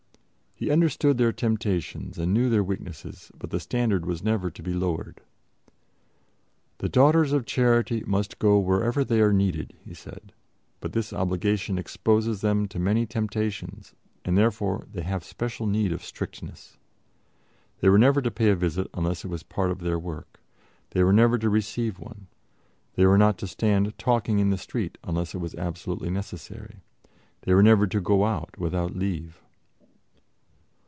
He understood their temptations and knew their weaknesses, but the standard was never to be lowered. "The Daughters of Charity must go wherever they are needed," he said, "but this obligation exposes them to many temptations, and therefore they have special need of strictness." They were never to pay a visit unless it was part of their work; they were never to receive one; they were not to stand talking in the street unless it was absolutely necessary; they were never to go out without leave.